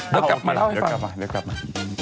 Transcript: เดี๋ยวกลับมาแล้วให้ฟัง